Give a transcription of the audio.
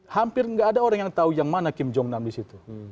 hampir nggak ada orang yang tahu yang mana kim jong nam di situ